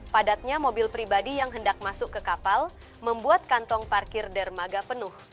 padatnya mobil pribadi yang hendak masuk ke kapal membuat kantong parkir dermaga penuh